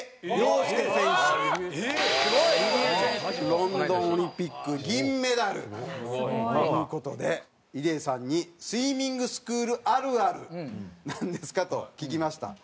ロンドンオリンピック銀メダル。という事で入江さんに「スイミングスクールあるあるなんですか？」と聞きました。